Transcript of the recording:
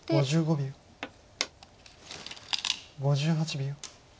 ５８秒。